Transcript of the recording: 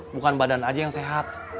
bukan badan aja yang sehat